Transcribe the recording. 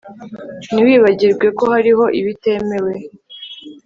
ntiwibagirwe ko hariho ibitemewe